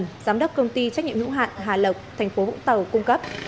giám đốc công ty trách nhiệm nữ hạn hà lộc tp vũng tàu cung cấp